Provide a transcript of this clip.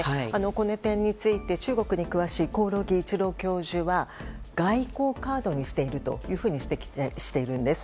この点について中国に詳しい興梠一郎教授は外交カードにしていると指摘しているんです。